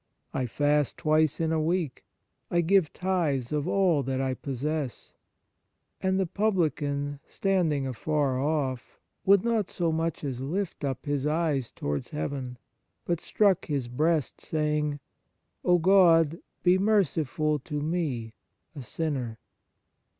I fast twice in a week : I give tithes of all that I possess. And the publican standing afar off would not so much as lift up his eyes towards heaven ; but struck his breast saying : O God, be merciful to me a sinner."